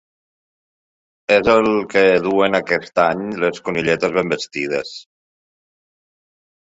És el que duen aquest any les conilletes ben vestides.